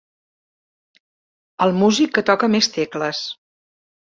El músic que toca més tecles.